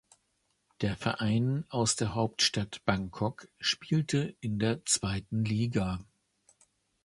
Der Verein aus der Hauptstadt Bangkok spielte in der zweiten Liga.